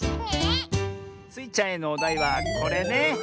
スイちゃんへのおだいはこれね。